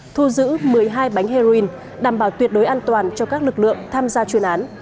thu giữ một mươi hai bánh heroin đảm bảo tuyệt đối an toàn cho các lực lượng tham gia chuyên án